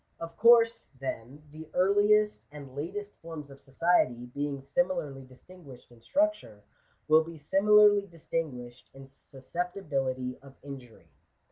Of course, then, the earliest and latest forms of society, being similarly distinguished in structure, will be similarly distin guished in susceptibility of injury.